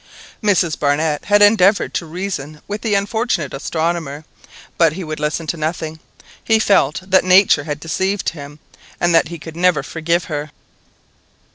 Mrs Barnett had endeavoured to reason with the unfortunate astronomer, but he would listen to nothing. He felt that Nature had deceived him, and that he could never forgive her.